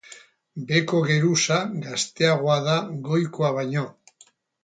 Beheko geruza gazteagoa da goikoa baino.